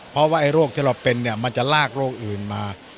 เพราะว่าไอ้โรคที่เราเป็นเนี่ยมันจะลากโรคอื่นมา